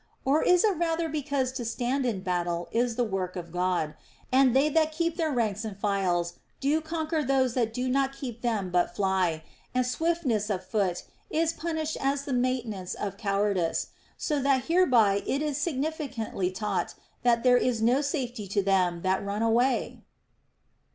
Or is it rather because to stand in battle is the work of God, and they that keep their ranks and files do conquer those that do not keep them but fly, and swift ness of foot is punished as the maintenance of cowardice ; so that hereby it is significantly taught that there is no safety to them that run away